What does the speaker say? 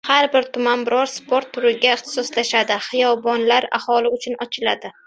Har bir tuman biror sport turiga ixtisoslashadi, hiyobonlar aholi uchun ochiladi